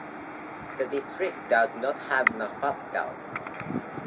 The district does not have a hospital.